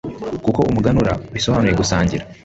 kuko umuganura bisobanuye gusangira